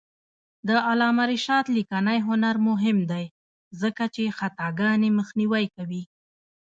د علامه رشاد لیکنی هنر مهم دی ځکه چې خطاګانې مخنیوی کوي.